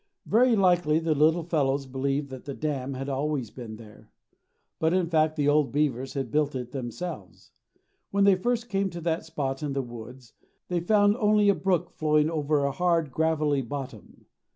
Very likely the little fellows believed that the dam had always been there. But in fact the old beavers had built it themselves. When they first came to that spot in the woods they found only a brook flowing over a hard, gravelly bottom.